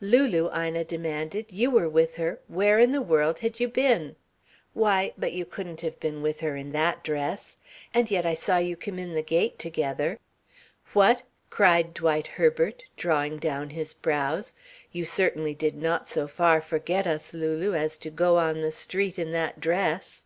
"Lulu!" Ina demanded. "You were with her where in the world had you been? Why, but you couldn't have been with her in that dress. And yet I saw you come in the gate together." "What!" cried Dwight Herbert, drawing down his brows. "You certainly did not so far forget us, Lulu, as to go on the street in that dress?"